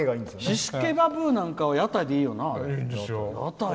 シシケバブーは屋台でいいよな。